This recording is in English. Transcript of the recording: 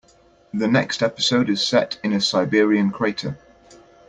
The next episode is set in a Siberian crater.